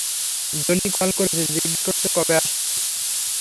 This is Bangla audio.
জোলি কল করেছে, জিজ্ঞেস করেছে কবে আসছি।